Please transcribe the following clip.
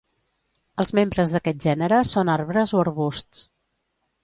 Els membres d'aquest gènere són arbres o arbusts.